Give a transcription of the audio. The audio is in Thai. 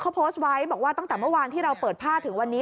เขาโพสต์ไว้บอกว่าตั้งแต่เมื่อวานที่เราเปิดผ้าถึงวันนี้